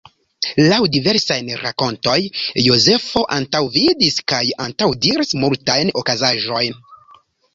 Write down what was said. Laŭ diversajn rakontoj Jozefo antaŭvidis kaj antaŭdiris multajn okazaĵojn.